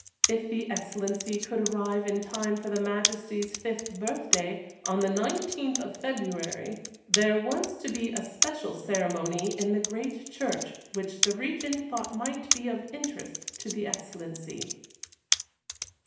If the Excellency could arrive in time for the Majesty's fifth birthday, on the 19th of February, there was to be a special ceremony in the great church which the Regent thought might be of interest to the Excellency.